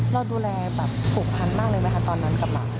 แล้วดูแลแบบผูกพันธุ์มากเลยไหมคะตอนนั้นกับหมา